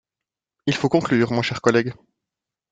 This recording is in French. Il faut conclure, mon cher collègue.